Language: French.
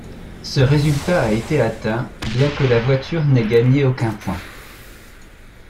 Ce résultat a été atteint, bien que la voiture n'ait gagné aucun point.